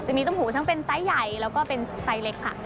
มีเต้าหูทั้งเป็นไซส์ใหญ่แล้วก็เป็นไซส์เล็กค่ะ